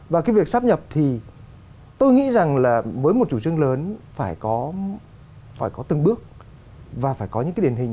và cái việc sắp nhập thì tôi nghĩ rằng là với một chủ trương lớn phải có từng bước và phải có những cái điển hình